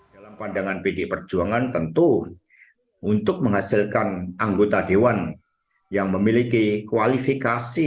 dalam pandangan pdi perjuangan tentu untuk menghasilkan anggota dewan yang memiliki kualifikasi